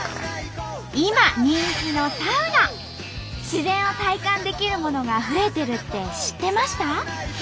自然を体感できるものが増えてるって知ってました？